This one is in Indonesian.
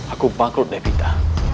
aku bangkrut devita